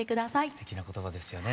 すてきな言葉ですよね。